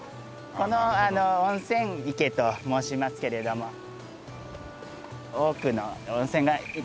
この温泉池と申しますけれども多くの温泉がいくつも。